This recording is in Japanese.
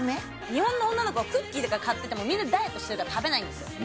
日本の女の子はクッキーとか買ってってもみんなダイエットしてるから食べないんですよ